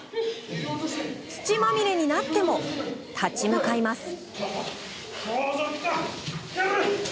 土まみれになっても立ち向かいます。